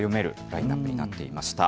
ラインナップになっていました。